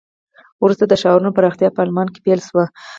وروسته د ښارونو پراختیا په آلمان کې پیل شوه.